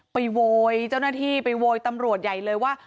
โวยเจ้าหน้าที่ไปโวยตำรวจใหญ่เลยว่า